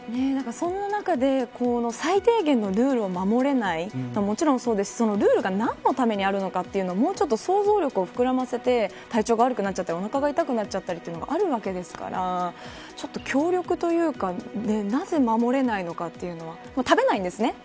その中で最低限のルールを守れないそれも、もちろんそうですしそのルールが何のためにあるのかもっと想像力を膨らませて体調が悪くなっておなかが痛くなったっていうのがあるわけですから協力というかなぜ守れないのかというのは食べないんですね